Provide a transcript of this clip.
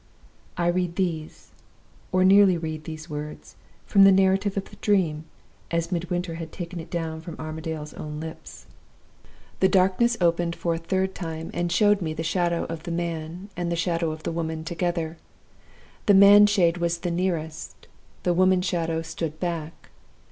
"I read these, or nearly read these words, from the Narrative of the Dream, as Midwinter had taken it down from Armadale's own lips: "'The darkness opened for the third time, and showed me the Shadow of the Man and the Shadow of the Woman together. The Man Shade was the nearest; the Woman Shadow stood back.